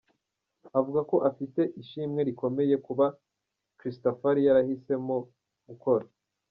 Avuga ko afite ishimwe rikomeye kuba Christafari yarahisemo gukora